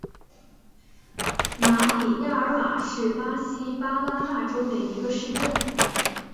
马里亚尔瓦是巴西巴拉那州的一个市镇。